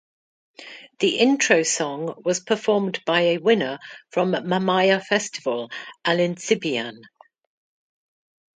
The intro song was performed by a winner from Mamaia Festival, Alin Cibian.